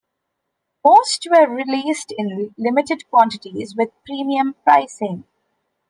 Most were released in limited quantities with premium pricing.